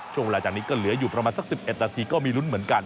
ช่วงเวลาจากนี้ก็เหลืออยู่ประมาณสัก๑๑นาทีก็มีลุ้นเหมือนกัน